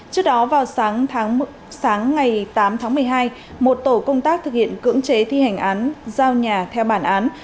trước đó vào sáng ngày tám tháng một mươi hai một tổ công tác thực hiện cưỡng chế thi hành án giao nhà theo bản án